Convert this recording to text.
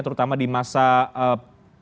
terutama di masa penyelenggaraan motogp nanti